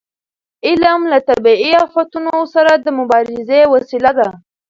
علم له طبیعي افتونو سره د مبارزې وسیله ده.